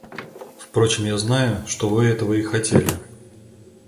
Впрочем, я знаю, что вы этого и хотели.